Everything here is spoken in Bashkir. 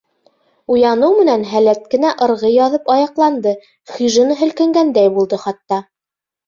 Уяныу менән һәләт кенә ырғый яҙып аяҡланды, хижина һелкенгәндәй булды хатта.